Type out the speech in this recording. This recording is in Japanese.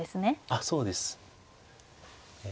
あっそうです。